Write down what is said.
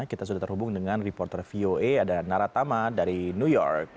kita sudah terhubung dengan reporter voa ada naratama dari new york